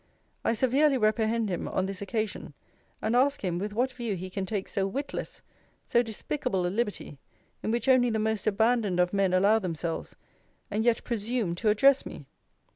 I severely reprehend him on this occasion: and ask him, with what view he can take so witless, so despicable a liberty, in which only the most abandoned of men allow themselves, and yet presume to address me?